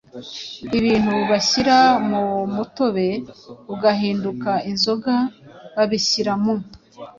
Ibintu bashyira mu mutobe ugahinduka inzoga, babishyira mu